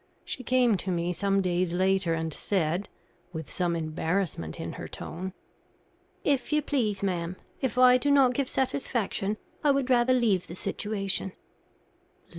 She came to me some days later and said, with some embarrassment in her tone "If you please, ma'am, if I do not give satisfaction, I would rather leave the situation."